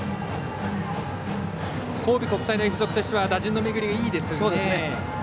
神戸国際大付属としては打順の巡りがいいですよね。